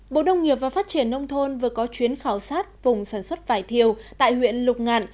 bộ đông nghiệp và phát triển nông thôn vừa có chuyến khảo sát vùng sản xuất vải thiều tại huyện lục ngạn